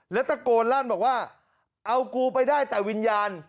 แล้วตะโกนลั่นบอกว่าเอากูไปได้แต่วิญญาณ